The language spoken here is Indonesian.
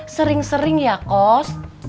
sering sering ya kos